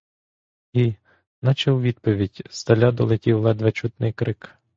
І, наче у відповідь, здаля долетів ледве чутний крик.